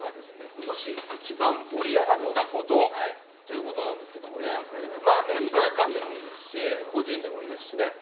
今年一番盛り上がったことということなんですけどもねメンバー間でもいいですし個人でもいいですしね。